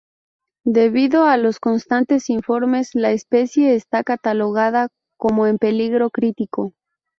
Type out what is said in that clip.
Debido a los constantes informes, la especie está catalogada como en peligro crítico.